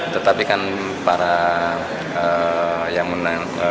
tetapi kan para yang menang